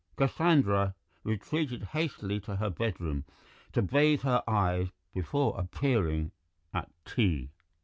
Cassandra retreated hastily to her bedroom to bathe her eyes before appearing at tea.